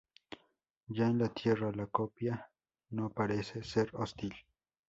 Ya en la Tierra, la copia no parece ser hostil.